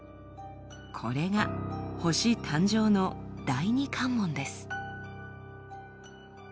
これが星誕生の第２関門です。